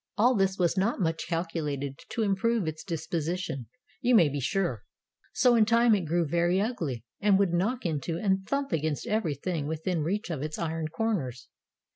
All this was not much calculated to improve its disposition, you may be sure. So in time it grew very ugly, and would knock into and thump against everything within reach of its iron corners.